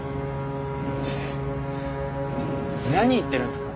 何言ってるんですか？